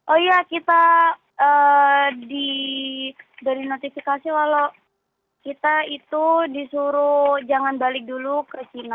oh iya kita hmm di dari notifikasi walau kita itu disuruh jangan balik dulu ke sina